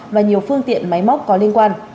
và nhiều phương tiện máy móc có liên quan